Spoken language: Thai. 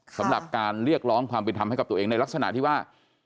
สำหรับการเรียกร้องความเป็นธรรมให้กับตัวเองในลักษณะที่ว่า